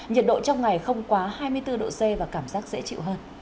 nhiệt độ trong ngày không quá hai mươi bốn độ c và cảm giác dễ chịu hơn